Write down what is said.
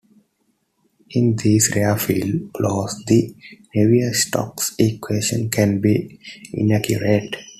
In these rarefied flows, the Navier-Stokes equations can be inaccurate.